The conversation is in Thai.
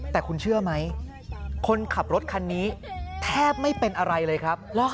แต่คุณเชื่อไหมคนขับรถคันนี้แทบไม่เป็นอะไรเลยครับ